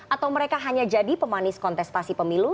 atau mereka hanya jadi pemanis kontestasi pemilu